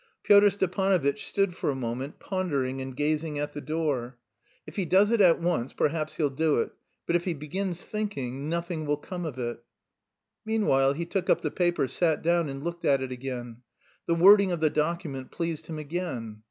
Pyotr Stepanovitch stood for a moment, pondering and gazing at the door. "If he does it at once, perhaps he'll do it, but if he begins thinking, nothing will come of it." Meanwhile he took up the paper, sat down, and looked at it again. The wording of the document pleased him again.